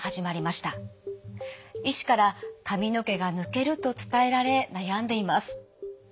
医師から髪の毛が抜けると伝えられ悩んでいます。